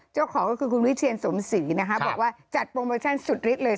เจ้าของก็คือคุณวิเชียนสมศรีนะคะบอกว่าจัดโปรโมชั่นสุดฤทธิ์เลย